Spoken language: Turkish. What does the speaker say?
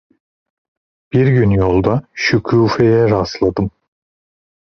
Bir gün yolda Şükufe'ye rastladım.